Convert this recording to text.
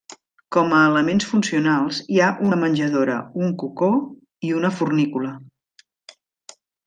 Com a elements funcionals hi ha una menjadora, un cocó i una fornícula.